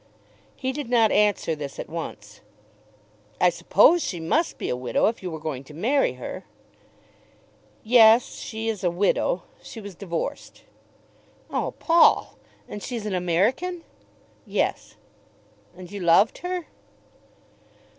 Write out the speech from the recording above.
He did not answer this at once. "I suppose she must be a widow if you were going to marry her." "Yes; she is a widow. She was divorced." "Oh, Paul! And she is an American?" "Yes." "And you loved her?"